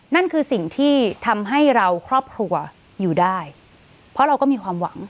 นั่นคือสิ่งที่ทำให้เราครอบครัวอยู่ได้เพราะเราก็มีความหวัง